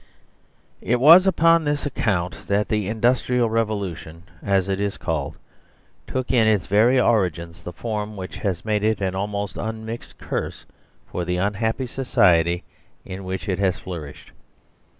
It was upon this account that the Industrial Re volution, as it is called, took in its very origins the form which has made it an almost unmixed curse for the unhappy society in which it has flourished.